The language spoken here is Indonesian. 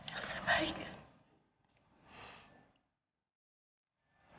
yasa baik kan